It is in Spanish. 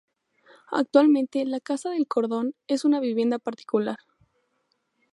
Actualmente, la Casa del Cordón, es una vivienda particular.